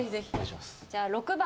じゃあ６番。